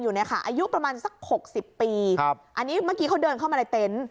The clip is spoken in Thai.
อยู่เนี่ยค่ะอายุประมาณสักหกสิบปีครับอันนี้เมื่อกี้เขาเดินเข้ามาเลยเต็น